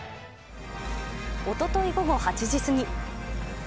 おととい午後８時過ぎ。